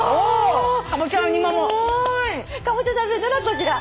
こちら。